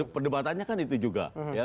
pedebatannya kan itu juga